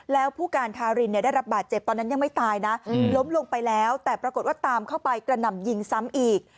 แล้วผู้การทารินได้รับบาดเจ็บตอนนั้นยังไม่ตายนะล้มลงไปแล้วแต่ปรากฏว่าตามเข้าไปกระหน่ำยิงซ้ำอีก